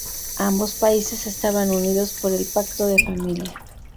Ambos países estaban unidos por el Pacto de Familia.